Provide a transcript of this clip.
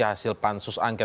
hasil pansus angket